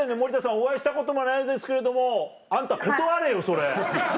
お会いしたこともないですけれどもあんた断れよそれ。